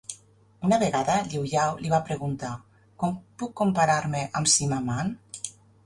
Una vegada, Liu Yao li va preguntar: Com puc comparar-me amb Sima Man?